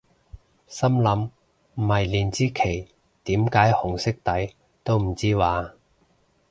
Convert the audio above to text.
心諗唔係連支旗點解紅色底都唔知咓？